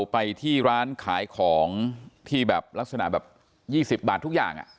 ไปที่ร้านขายของที่แบบลักษณะแบบ๒๐บาททุกอย่าง